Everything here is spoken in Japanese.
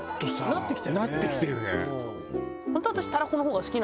なってきてるね。